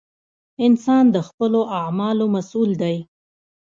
انسان د خپلو اعمالو مسؤول دی!